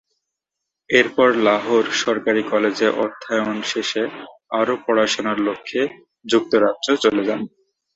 এরপর লাহোর সরকারি কলেজে অধ্যয়ন শেষে আরও পড়াশোনার লক্ষ্যে যুক্তরাজ্যে চলে যান।